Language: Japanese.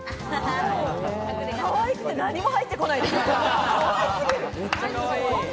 かわいくて何も入ってこないです。